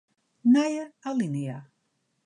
Nije alinea.